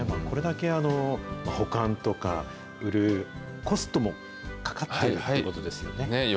これだけ保管とか、売るコストもかかってるということですよね。